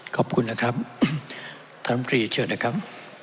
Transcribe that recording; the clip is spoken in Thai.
ครับท่านน้ำตรีเชิญหน่อยครับ